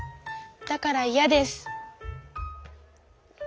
だからイヤです。